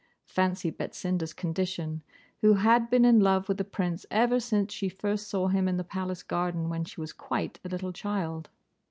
Fancy Betsinda's condition, who had been in love with the Prince ever since she first saw him in the palace garden, when she was quite a little child.